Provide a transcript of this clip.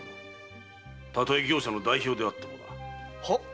たとえ業者の代表であってもな。はっ？